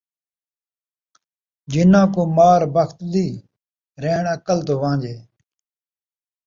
جنہاں کوں مار بخت دی، رہݨ عقل توں وان٘جے